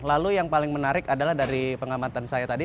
lalu yang paling menarik adalah dari pengamatan saya tadi